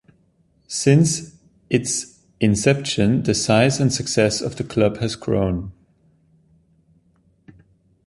Since its inception the size and success of the club has grown.